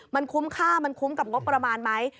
มันคุ้มค่ามันคุ้มกับงบประมาณไหม